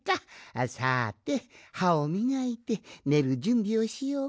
さてはをみがいてねるじゅんびをしようかの。